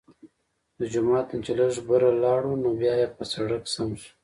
د جومات نه چې لږ بره لاړو نو بيا پۀ سړک سم شو